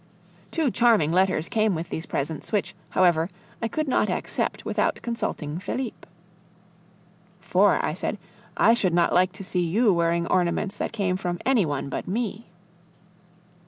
Two charming letters came with these presents, which, however, I could not accept without consulting Felipe. "For," I said, "I should not like to see you wearing ornaments that came from any one but me."